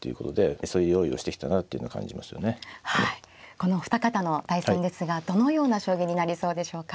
このお二方の対戦ですがどのような将棋になりそうでしょうか。